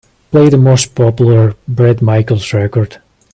play the most popular Bret Michaels record